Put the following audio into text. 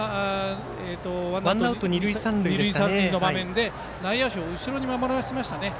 ワンアウト、二塁三塁の場面で内野手を後ろに守らせましたね。